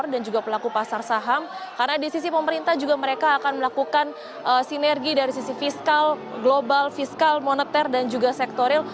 dan juga pelaku pasar saham karena di sisi pemerintah juga mereka akan melakukan sinergi dari sisi fiskal global fiskal moneter dan juga sektoril